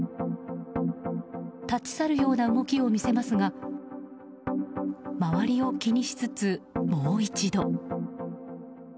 立ち去るような動きを見せますが周りを気にしつつ、もう一度。